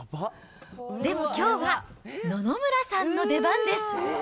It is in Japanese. でもきょうは、野々村さんの出番です。